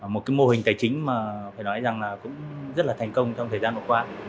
một cái mô hình tài chính mà phải nói rằng là cũng rất là thành công trong thời gian vừa qua